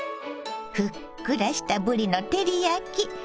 ふっくらしたぶりの照り焼き。